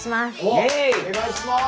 おっお願いします！